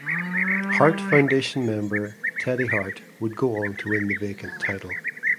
Hart Foundation member Teddy Hart would go on to win the vacant title.